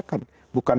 bukan kemudian dilupakan